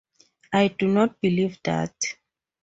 I do not believe that.